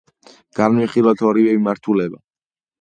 განვიხილოთ ორივე მიმართულება.